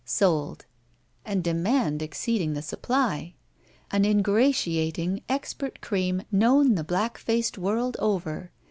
Sold. And demand exceed ing the supply. An ingratiating, expert cream, known the black faced world over.